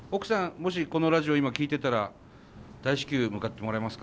もしこのラジオ今聴いてたら大至急向かってもらえますか？